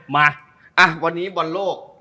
มาวันนี้บอลโลก